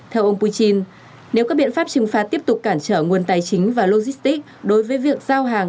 theo ông putin nếu các biện pháp trừng phạt tiếp tục cản trở nguồn tài chính và logistics đối với việc giao hàng